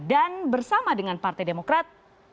dan bersama dengan partai demokrat